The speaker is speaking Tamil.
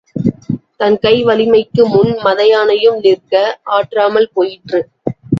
தன் கை வலிமைக்கு முன் மதயானையும் நிற்க ஆற்றாமல் போயிற்று.